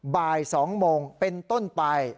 บ่าย๒โมงเป็นต้นไป